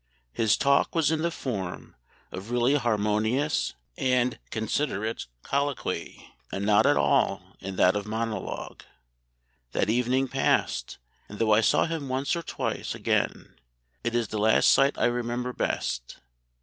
His talk was in the form of really harmonious and considerate colloquy, and not at all in that of monologue.... That evening passed, and though I saw him once or twice again, it is the last sight I remember best.